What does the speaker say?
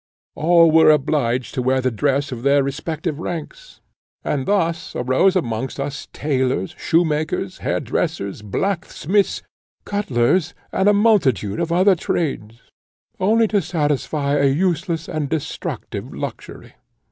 All were obliged to wear the dress of their respective ranks, and thus arose amongst us tailors, shoemakers, hairdressers, blacksmiths, cutlers, and a multitude of other trades, only to satisfy an useless and destructive luxury.